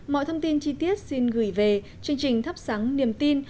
mọi thông tin chi tiết xin gửi về chương trình thắp sáng niềm tin